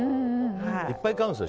いっぱい買うんですよ